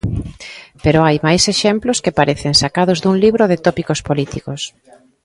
Pero hai máis exemplos que parecen sacados dun libro de tópicos políticos.